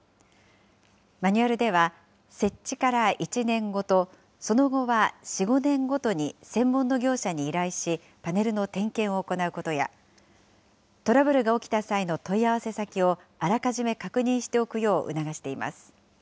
マニュアルでは、設置から１年後と、その後は４、５年ごとに専門の業者に依頼し、パネルの点検を行うことや、トラブルが起きた際の問い合わせ先をあらかじめ確認しておくよう促しています。